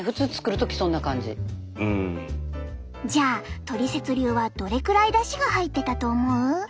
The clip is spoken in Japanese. じゃあトリセツ流はどれくらいだしが入ってたと思う？